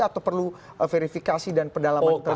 atau perlu verifikasi dan pedalaman terlebih dahulu